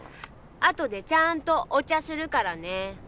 あとでちゃーんとお茶するからね。